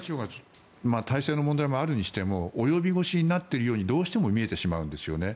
体制の問題があるにしても及び腰になっているようにどうしても見えてしまうんですよね。